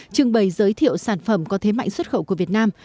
trưng bày giới thiệu sản phẩm có thế mạnh xuất khẩu của việt nam